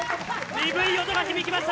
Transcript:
鈍い音が響きました。